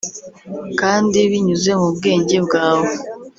kandi binyuze mu bwenge bwawe